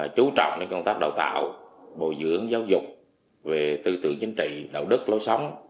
chú trọng đến công tác đào tạo bồi dưỡng giáo dục về tư tưởng chính trị đạo đức lối sống